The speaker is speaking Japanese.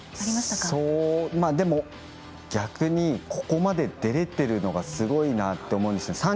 でも、逆にここまで出れているのがすごいなと思うんですよ。